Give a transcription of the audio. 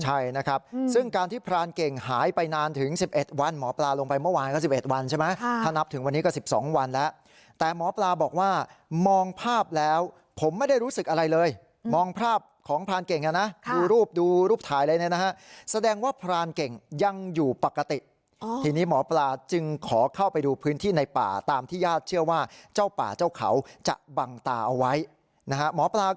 ใช่นะครับซึ่งการที่พรานเก่งหายไปนานถึง๑๑วันหมอปลาลงไปเมื่อวานก็๑๑วันใช่ไหมถ้านับถึงวันนี้ก็๑๒วันแล้วแต่หมอปลาบอกว่ามองภาพแล้วผมไม่ได้รู้สึกอะไรเลยมองภาพของพรานเก่งนะดูรูปดูรูปถ่ายอะไรเนี่ยนะฮะแสดงว่าพรานเก่งยังอยู่ปกติทีนี้หมอปลาจึงขอเข้าไปดูพื้นที่ในป่าตามที่ญาติเชื่อว่าเจ้าป่าเจ้าเขาจะบังตาเอาไว้นะฮะหมอปลาก็